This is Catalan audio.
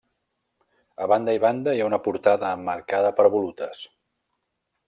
A banda i banda, hi ha una portada emmarcada per volutes.